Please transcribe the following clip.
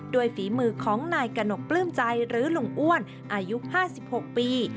ฝีมือของนายกระหนกปลื้มใจหรือลุงอ้วนอายุ๕๖ปี